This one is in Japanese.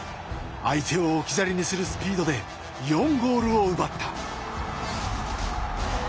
相手を置き去りにするスピードで４ゴールを奪った。